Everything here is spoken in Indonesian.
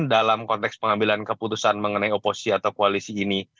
dalam konteks pengambilan keputusan mengenai oposi atau koalisi ini